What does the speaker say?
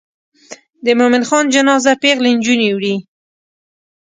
د مومن خان جنازه پیغلې نجونې وړي.